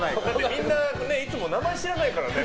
みんないつも名前知らないからね。